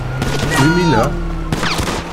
Wi m-illa?